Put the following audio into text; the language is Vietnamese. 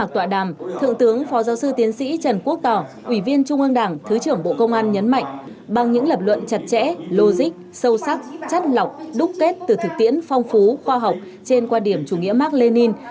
thứ trưởng bộ công an nhấn mạnh bằng những lập luận chặt chẽ logic sâu sắc chắt lọc đúc kết từ thực tiễn phong phú khoa học trên quan điểm chủ nghĩa mark lenin